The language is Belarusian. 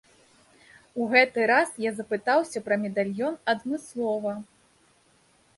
У гэты раз я запытаўся пра медальён адмыслова.